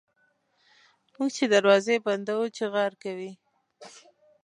موږ چي دروازه بندوو چیغهار کوي.